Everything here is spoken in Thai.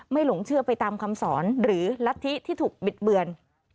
หลงเชื่อไปตามคำสอนหรือลัทธิที่ถูกบิดเบือน